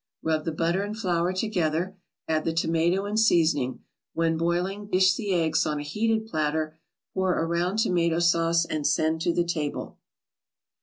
Rub the butter and flour together, add the tomato and seasoning; when boiling dish the eggs on a heated platter, pour around tomato sauce and send to the table.